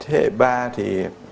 thế hệ ba thì